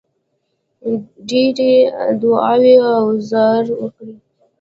ډېرې دعاوي او زارۍ وکړې.